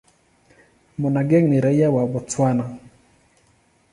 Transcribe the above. Monageng ni raia wa Botswana.